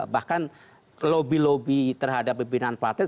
bahkan lobby lobby terhadap pimpinan partai